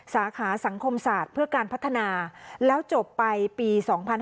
สาขาสังคมศาสตร์เพื่อการพัฒนาแล้วจบไปปี๒๕๕๙